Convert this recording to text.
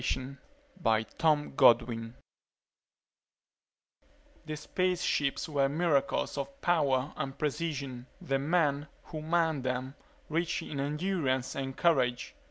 net _The space ships were miracles of power and precision; the men who manned them, rich in endurance and courage.